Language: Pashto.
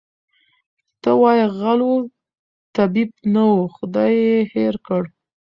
ته وا غل وو طبیب نه وو خدای ېې هېر کړ